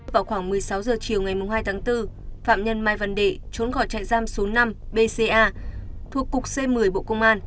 vào khoảng một mươi sáu h chiều ngày hai tháng bốn phạm nhân mai văn đệ trốn khỏi trại giam số năm bca thuộc cục c một mươi bộ công an